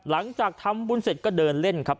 หลังจากทำบุญเสร็จก็เดินเล่นครับ